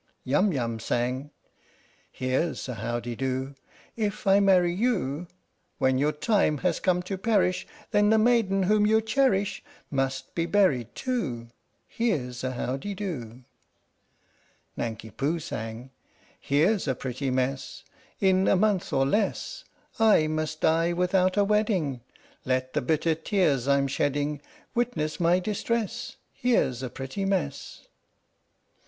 Yum Yum sang : Here's a how de do! If I marry you, When your time has come to perish, Then the maiden whom you cherish Must be buried too ! Here 's a how de do ! Nanki Poo sang : Here 's a pretty mess ! In a month or less I must die without a wedding ! Let the bitter tears I'm shedding Witness my distress. Here 's a pretty mess